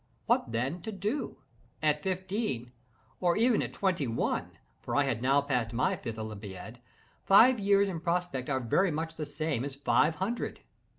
What, then, to do? At fifteen, or even at twenty one (for I had now passed my fifth olympiad) five years in prospect are very much the same as five hundred.